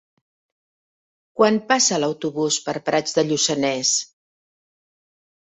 Quan passa l'autobús per Prats de Lluçanès?